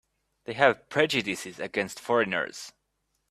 They have prejudices against foreigners.